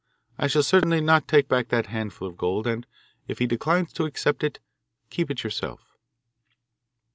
I shall certainly not take back that handful of gold, and, if he declines to accept it, keep it yourself.